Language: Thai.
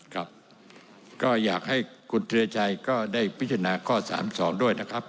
ครับก็อยากให้คุณธิรชัยก็ได้พิจารณาข้อ๓๒ด้วยนะครับ